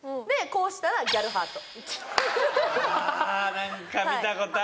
こうしたらでもギャルハート